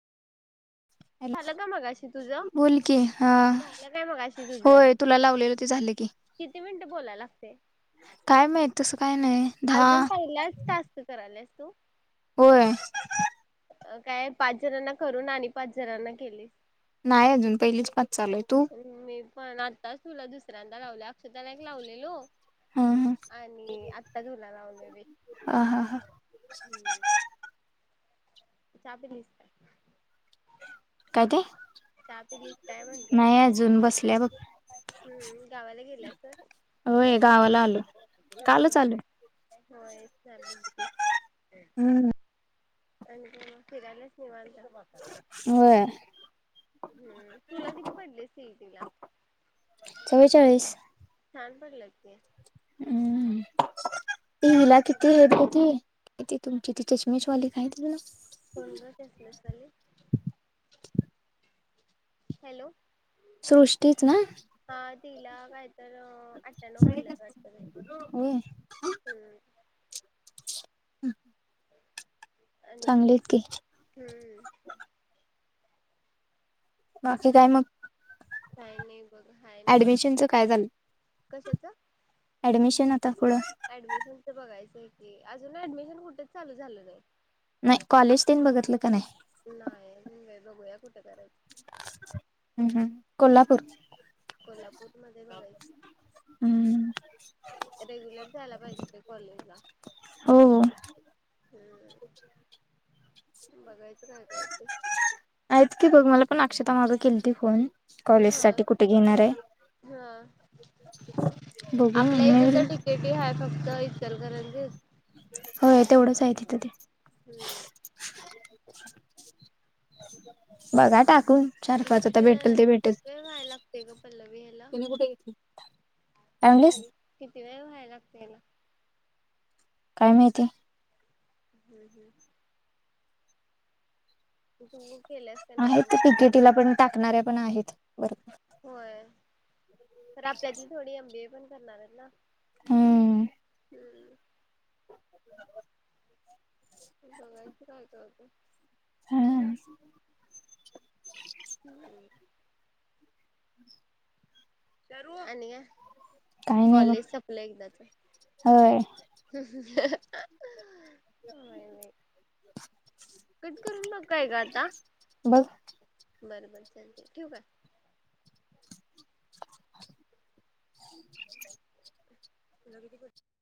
झालं का मगाशी तुझं हॅलो बोल कि हा झालं काय मगाशी तुझं होय तुला लावलेलं ते झालं कि किती मिनिटं बोलाय लागते काय माहित तस काय नाही दहा अजून पहिलाच टास्क करायलास तू होय काय पाच जणांना करून आणि पाच जणांना केलय नाही अजून पहिलीच पाच चालू आहे तू मी पण आताच तुला दुसऱ्यांदा लावल्या सुधा ला एक लावलेलो ह आणि आत्ता तुला लागलोय बाई ह ह ह हम्म चा पिलीस काय काय ते चहा पिलीस काय म्हणलं नाही अजून बसल्या बघ हम् गावाला गेलीस होय गावाला आलो कालच आलो होय हम्म आणि काय मग फिरायलास निवांत होय हम्म तूला किती पडले सी ई टी ला चव्वेचाळीस छान पडलेत की हम ते हिला किती आहेत किती तुमची ती चष्मेशवाली काय तीच नाव कोण ग चश्मेशवाली हॅलो सृष्टीच ना? हा तिला काय तर अठठ्याण्णव पडल्यात होय वाटत बई हम्. उ ह आणि काय म? हम्म बाकी काय मग? काय नई. ऍडमिशनच काय झालं? कशाचं ऍडमिशन आ ऍडमिशनच बघाय च की अजून ऍडमिशन कुठच चालू झाल नई. नई कॉलेज तेन बगतलं का नाय? नाई आजून बई बघुया कुठ करा ह्म्म ह्म्म कोल्हापूर कोल्हापूर मध्ये बघाय हम्म रेग्युलर झाला पाहिजे ते कॉलेजला, हो हो ह्म्म. बघाय आयत की बघ मला पण आ क्षता माग केलीती फोन कॉलेज ह साठी कुठे घेणार आहे हा बघू आपल्या मी इत तर डी के टी हाय फक त इचलकरंजीत होय तेवढंच हाय तिथं ते हम्म बघा टाकून चार पाच किती आता वेळ भेटेल ते किती भेटेल वेळ व्हाय लागतेय गं पल्लवी हेला, तुम्ही कुठे घेतली काय म्हणलीस [unintelligible] किती वेळ व्हाय लाग काय माहिती हम्म हम्म तू केलंस का नाही आहेत अजून ती कुणास किती तुला पण टाकणाऱ्या पण आहेत वर ठाऊक. होय. तर आपल्यातील थोडी एम बी ए पण करणार आयत ना? हम्म हम्म बघायचं काय काय होतय. ह अम ह्म्म सरू आणि काय? काय नाय ब कॉलेज संपलं होय. [unintelligible] होय होय कट करून बघताय का आता बघ बर बर चालतेय ठेऊका तुला किती पडले